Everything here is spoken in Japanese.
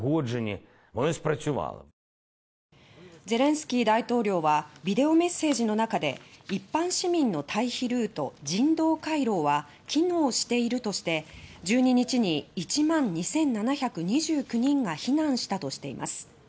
ゼレンスキー大統領はビデオメッセージの中で一般市民の退避ルート人道回廊は機能しているとして１２日に１万２７２９人が避難したとしています。